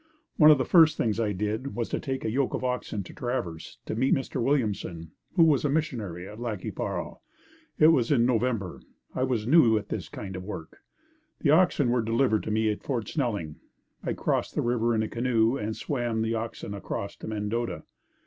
One of the first things I did was to take a yoke of oxen to Traverse to meet Mr. Williamson who was a missionary at Lac qui Parle. It was in November. I was new at this kind of work. The oxen were delivered to me at Fort Snelling. I crossed the river in a canoe and swam the oxen across to Mendota.